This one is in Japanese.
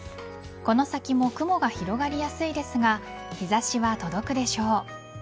この先も雲が広がりやすいですが日差しは届くでしょう。